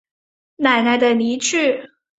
奶奶的离去